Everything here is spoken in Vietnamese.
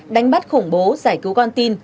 đánh bắt khủng bố giải cứu con tin